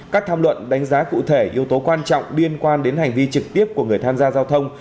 các tham luận đánh giá cụ thể yếu tố quan trọng liên quan đến hành vi trực tiếp của người tham gia giao thông